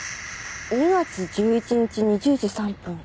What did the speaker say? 「２月１１日２０時３分」